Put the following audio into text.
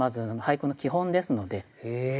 へえ！